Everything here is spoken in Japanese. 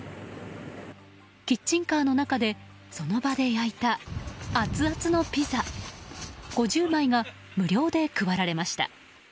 キッチンカーの中でその場で焼いた熱々のピザ５０枚が無料で配られました。